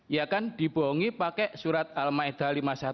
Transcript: ia kan dibohongi pakai surat al ma'idah lima puluh satu